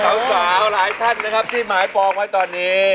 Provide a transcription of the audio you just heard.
สาวหลายท่านนะครับที่หมายปองไว้ตอนนี้